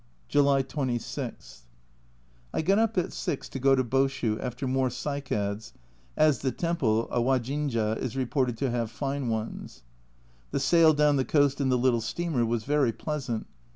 July 26. I got up at 6 to go to Boshu after more cycads, as the temple, Awajinja, is reported to have fine ones. The sail down the coast in the little steamer was very pleasant.